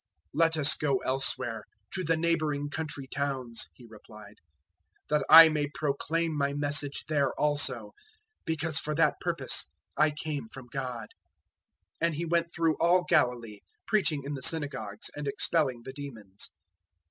001:038 "Let us go elsewhere, to the neighbouring country towns," He replied, "that I may proclaim my Message there also; because for that purpose I came from God." 001:039 And He went through all Galilee, preaching in the synagogues and expelling the demons.